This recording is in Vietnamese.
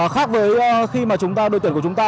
khác với khi mà đối tuyển của chúng ta